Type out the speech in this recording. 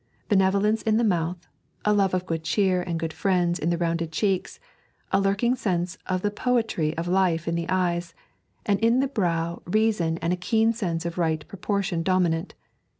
Benevolence in the mouth, a love of good cheer and good friends in the rounded cheeks, a lurking sense of the poetry of life in the quiet eyes, and in the brow reason and a keen sense of right proportion dominant.